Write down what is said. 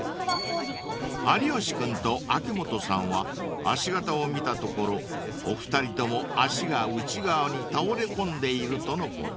［有吉君と秋元さんは足型を見たところお二人とも足が内側に倒れ込んでいるとのこと］